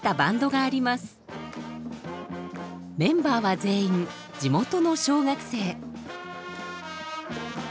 メンバーは全員地元の小学生。